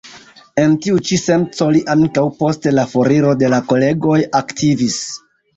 En tiu ĉi senco li ankaŭ post la foriro de la kolegoj aktivis.